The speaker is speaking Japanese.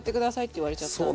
言われちゃったんで。